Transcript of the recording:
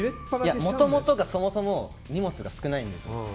もともとがそもそも荷物が少ないんですよ。